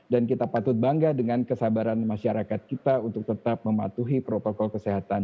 dan kita patut bangga dengan kesabaran masyarakat kita untuk tetap mematuhi protokol kesehatan